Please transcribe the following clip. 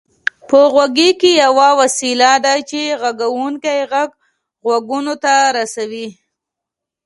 غوږيکې يوه وسيله ده چې د غږوونکي غږ غوږونو ته رسوي